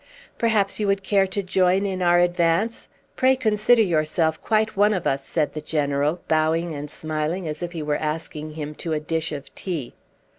"Perhaps you would care to join in our advance? Pray consider yourself quite one of us," said the general, bowing and smiling as if he were asking him to a dish of tea.